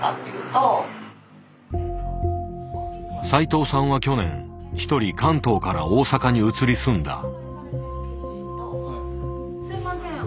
斉藤さんは去年一人関東から大阪に移り住んだ。